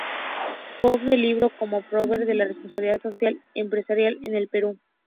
Coautor del libro “Cómo promover la responsabilidad social empresarial en el Perú.